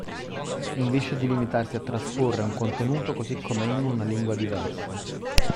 Invece di limitarsi a trasporre un contenuto così com’è in una lingua diversa